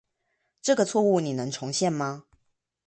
這個錯誤你能重現嗎